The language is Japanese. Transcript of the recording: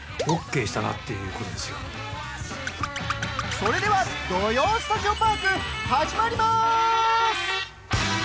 それでは「土曜スタジオパーク」始まりまーす！